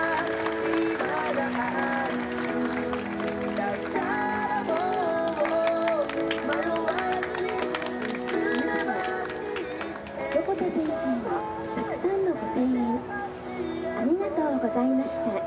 「皆さま横田選手へのたくさんのご声援ありがとうございました」